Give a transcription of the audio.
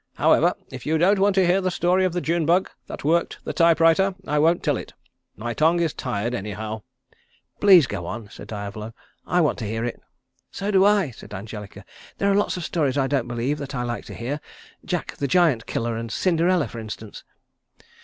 However, if you don't want to hear the story of the June bug that worked the type writer, I won't tell it. My tongue is tired, anyhow." "Please go on," said Diavolo. "I want to hear it." "So do I," said Angelica. "There are lots of stories I don't believe that I like to hear 'Jack the Giant killer' and 'Cinderella,' for instance."